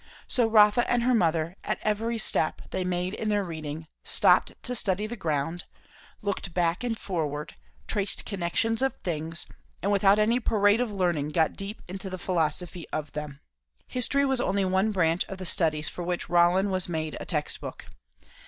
So Rotha and her mother, at every step they made in their reading, stopped to study the ground; looked back and forward, traced connections of things, and without any parade of learning got deep into the philosophy of them. History was only one branch of the studies for which Rollin was made a text book.